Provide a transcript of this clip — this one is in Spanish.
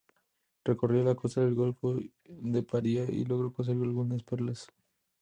Recorrió la costa del golfo de Paria y logró conseguir algunas perlas.